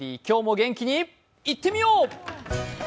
今日も元気にいってみよう！